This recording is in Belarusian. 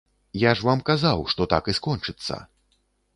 Я ж вам казаў, што так і скончыцца.